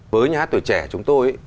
với nhà hát tuổi trẻ chúng tôi